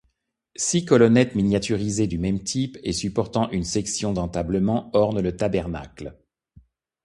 Six colonnettes miniaturisées du même type, et supportant une section d'entablement, ornent le tabernacle.